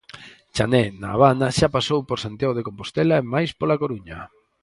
Chané na Habana xa pasou por Santiago de Compostela e mais pola Coruña.